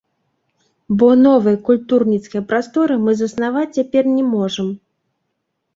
Бо новай культурніцкай прасторы мы заснаваць цяпер не можам.